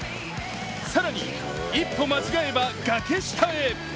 更に一歩間違えば崖下へ。